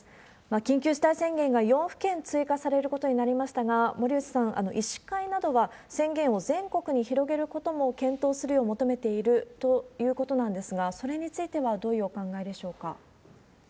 緊急事態宣言が４府県追加されることになりましたが、森内さん、医師会などは宣言を全国に広げることも検討するよう求めているということなんですが、それについてはどういうお考えでしょうか？